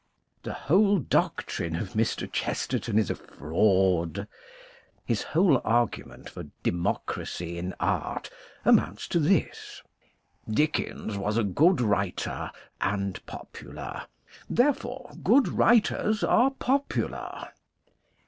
The whole doctrine of Mr. Chesterton is a fraud : his whole argument for democracy in art amounts to this :" Dickens was a good writer and popular : therefore, good writers are popular."